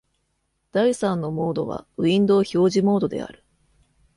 第三のモードはウィンドウ表示モードである。